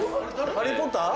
ハリー・ポッター？